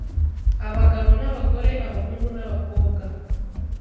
abagabo n'abagore, abahungu n'abakobwa.